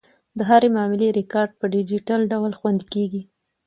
د هرې معاملې ریکارډ په ډیجیټل ډول خوندي کیږي.